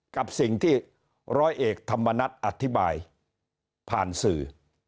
กับสิ่งที่ร้อยเอกธรรมนัฐอธิบายผ่านสื่อ